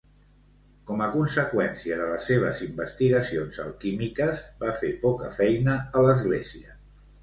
Com a conseqüència de les seves investigacions alquímiques, va fer poca feina a l'església.